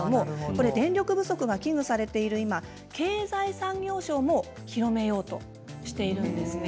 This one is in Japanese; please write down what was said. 電力不足が危惧されている今経済産業省も広めようとしているんです。